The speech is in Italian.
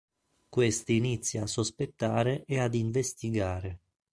Questi inizia a sospettare e ad investigare.